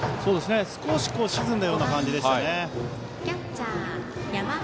少し沈んだような感じでしたね。